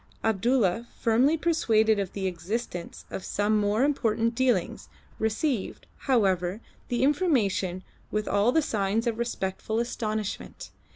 Abdulla, firmly persuaded of the existence of some more important dealings, received, however, the information with all the signs of respectful astonishment.